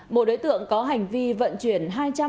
một đối tượng có hành vi vận chuyển hai trăm tám mươi năm